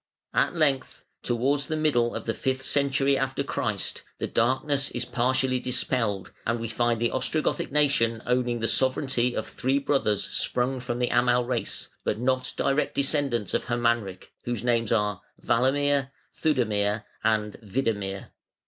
At length, towards the middle of the fifth century after Christ, the darkness is partially dispelled, and we find the Ostrogothic nation owning the sovereignty of three brothers sprung from the Amal race, but not direct descendants of Hermanric, whose names are Walamir, Theudemir, and Widemir.